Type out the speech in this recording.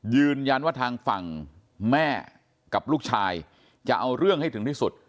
ยืนยันว่าทางฝั่งแม่กับลูกชายจะเอาเรื่องให้ถึงที่สุด